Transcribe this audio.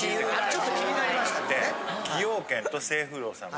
ちょっと気になりましたね。